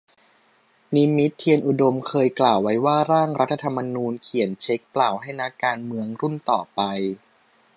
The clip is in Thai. นิมิต เทียนอุดม เคยกล่าวไว้ว่า ร่างรัฐธรรมนูญ เขียนเช็คเปล่าให้นักการเมืองรุ่นต่อไป